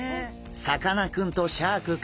さかなクンとシャーク香音さん